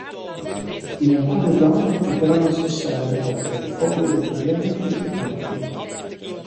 In alcune zone è però necessario abbattere obbligatoriamente gli zombie.